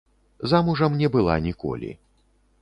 Замужам не была ніколі.